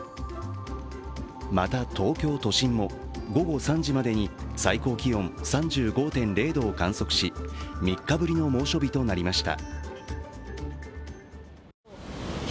また東京都心も午後３時までに最高気温３５．０度を観測し、３日ぶりの猛暑日となりました。